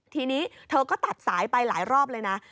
ทีนี้เธอก็ตัดสายไปหลายรอบเลยนะ